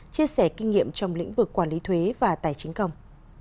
chia sẻ kinh nghiệm trong lĩnh vực quản lý thuế và tài chính công